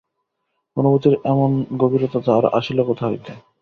অনুভূতির এমন গভীরতা তাহার আসিল কোথা হইতে?